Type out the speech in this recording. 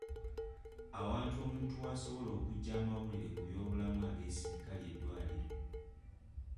Awantu omuntu wasobola okuggya amawulire ku byoblamu ageesigika ly'eddwaliro.